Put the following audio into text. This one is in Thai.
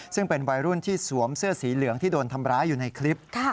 ซึ่งเป็นวัยรุ่นที่สวมเสื้อสีเหลืองที่โดนทำร้ายอยู่ในคลิป